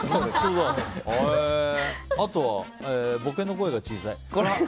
あとはボケの声が小さい。